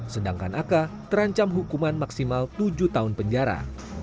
sedangkan ak terancam hukuman maksimal tujuh tahun penjara